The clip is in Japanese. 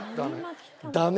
ダメ。